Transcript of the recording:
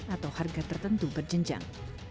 atau harga tertentu berjenjang